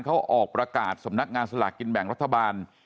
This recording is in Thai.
เขาออกประกาศสำนักงานสลากกินแบ่งรัฐบาล